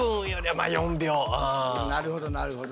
なるほどなるほど。